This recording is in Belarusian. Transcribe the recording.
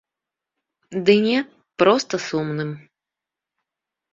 Ды не, проста сумным.